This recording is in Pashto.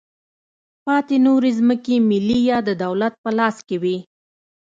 پاتې نورې ځمکې ملي یا د دولت په لاس کې وې.